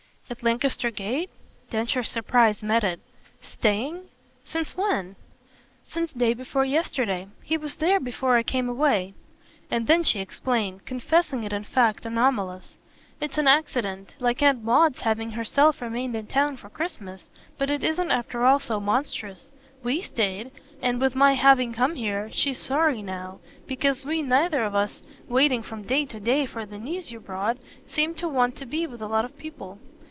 "At Lancaster Gate?" Densher's surprise met it. "'Staying'? since when?" "Since day before yesterday. He was there before I came away." And then she explained confessing it in fact anomalous. "It's an accident like Aunt Maud's having herself remained in town for Christmas, but it isn't after all so monstrous. WE stayed and, with my having come here, she's sorry now because we neither of us, waiting from day to day for the news you brought, seemed to want to be with a lot of people."